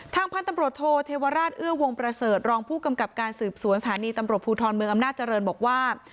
พันธุ์ตำรวจโทเทวราชเอื้อวงประเสริฐรองผู้กำกับการสืบสวนสถานีตำรวจภูทรเมืองอำนาจเจริญบอกว่า